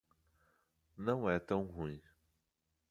Não é tão ruim.